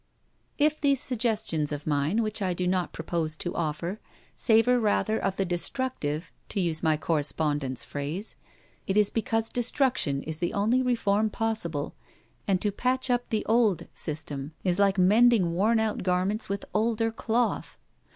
If these suggestions of mine, which I did not propose to offer, savour rather of the destructive, to use my correspondent's phrase, it is because destruction is the only reform possible; and to patch up the old system is like mending worn out garments with older cloth.